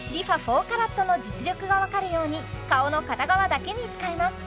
ＲｅＦａ４ＣＡＲＡＴの実力が分かるように顔の片側だけに使います